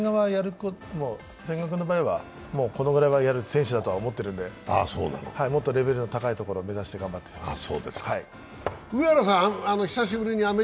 千賀君の場合は、このくらいやる選手だと思ってるのでもっとレベルの高いところを目指して頑張ってほしいです。